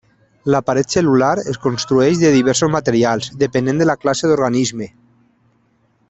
La paret cel·lular es construeix de diversos materials depenent de la classe d'organisme.